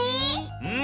うん。